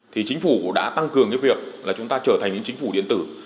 thì chính phủ đã tăng cường cái việc là chúng ta trở thành những chính phủ điện tử